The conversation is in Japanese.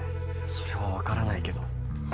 それは分からないけど。